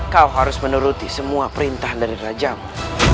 kau harus menuruti semua perintah dari rajamu